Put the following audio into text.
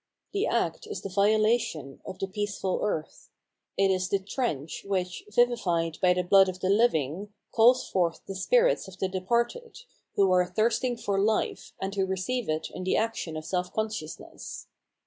The act is the violation of the peaceful earth ; it is the trench which, vivified by the blood of the living, calls forth the spirits of the departed, who are thirsting for life, and who receive it in the action of self consciousness.